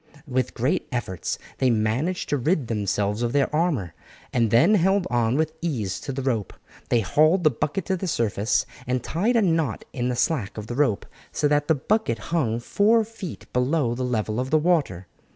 With great efforts they managed to rid themselves of their armour, and then held on with ease to the rope. They hauled the bucket to the surface and tied a knot in the slack of the rope, so that the bucket hung four feet below the level of the water.